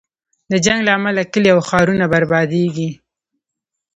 د جنګ له امله کلی او ښارونه بربادېږي.